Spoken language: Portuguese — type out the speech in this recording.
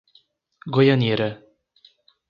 Goianira